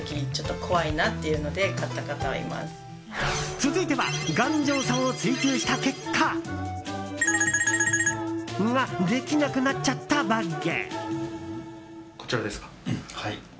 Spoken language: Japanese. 続いては頑丈さを追求した結果。ができなくなっちゃったバッグ。